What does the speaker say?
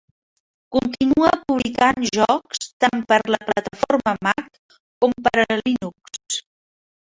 Continua publicant jocs tant per a la plataforma Mac com per a Linux.